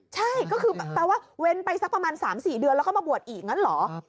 ใช่ก็คือแปลว่าเว้นไปสักประมาณ๓๔เดือนแล้วก็มาบวชอีกงั้นเหรอ